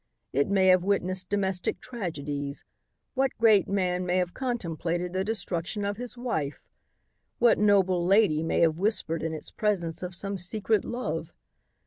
"It may have witnessed domestic tragedies. What great man may have contemplated the destruction of his wife? What noble lady may have whispered in its presence of some secret love?